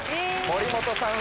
森本さん